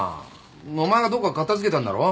お前がどっか片付けたんだろ？